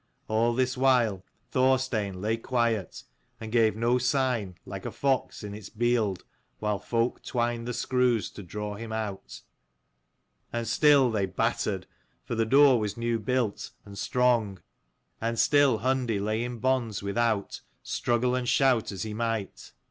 All this while Thorstein lay quiet, and gave no sign, like a fox in its bield while folk twine the screws to draw him out : and still they battered, for the door was new built, and 230 strong. And still Hundi lay in bonds without, struggle and shout as he might.